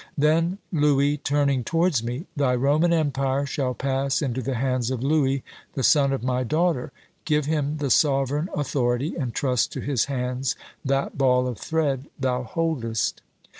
Then Louis turning towards me: 'Thy Roman empire shall pass into the hands of Louis, the son of my daughter; give him the sovereign authority, and trust to his hands that ball of thread thou holdest.'